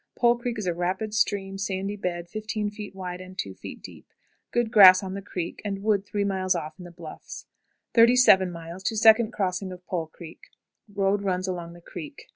Pole Creek is a rapid stream, sandy bed, 15 feet wide, and two feet deep. Good grass on the creek, and wood three miles off on the bluffs. 37. Second Crossing of Pole Creek. Road runs along the creek.